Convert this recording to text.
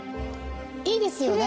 いいですよね。